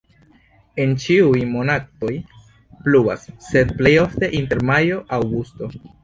En ĉiuj monatoj pluvas, sed plej ofte inter majo-aŭgusto.